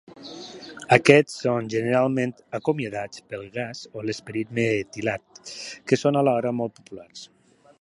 Aquests són generalment acomiadats pel gas o l'esperit metilat, que són alhora molt populars.